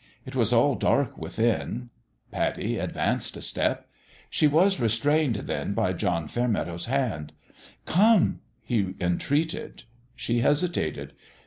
It was all dark within. Pattie advanced a step. She was restrained, then, by John Fairmeadow's hand. " Come !" he entreated. She hesitated.